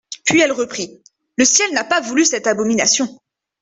Puis elle reprit : —«Le Ciel n’a pas voulu cette abomination.